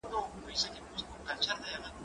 زه ليکلي پاڼي ترتيب کړي دي؟!